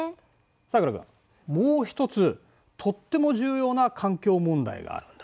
さくら君もう一つとっても重要な環境問題があるんだ。